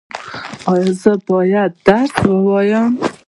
ایا زه باید درس ووایم؟